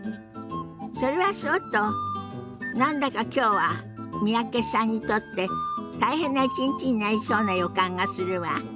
それはそうと何だかきょうは三宅さんにとって大変な一日になりそうな予感がするわ。